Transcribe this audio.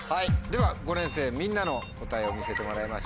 では５年生みんなの答えを見せてもらいましょう。